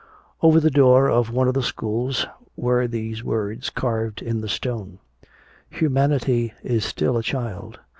Over the door of one of the schools, were these words carved in the stone: "Humanity is still a child.